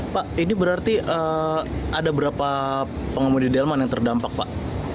pak ini berarti ada berapa pengemudi delman yang terdampak pak